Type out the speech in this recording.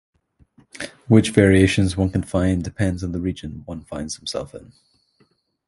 Which variations one can find depends on the region one finds themselves in.